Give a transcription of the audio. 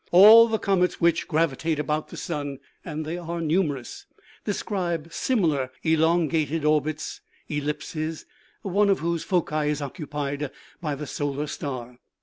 All the comets which gravitate about the sun and they are numerous describe similar elongated orbits, ellipses, one of whose foci is occupied by the solar star.